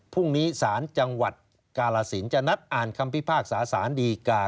พรุ่งนี้ศาลจังหวัดกาลสินจะนัดอ่านคำพิพากษาสารดีกา